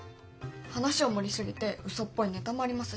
話を盛り過ぎてうそっぽいネタもありますし。